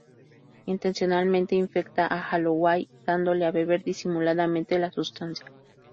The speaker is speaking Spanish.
Intencionalmente infecta a Holloway dándole a beber disimuladamente la sustancia.